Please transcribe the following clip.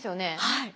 はい。